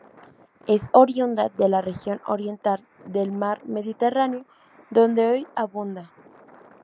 Es oriunda de la región oriental del mar Mediterráneo, donde hoy abunda.